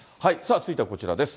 続いてはこちらです。